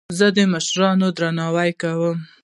زه د مشرانو درناوی کوم.